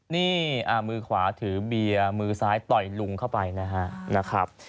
นี่มือขวาถือเบียร์มือซ้ายต่อยลุงเข้าไปนะครับ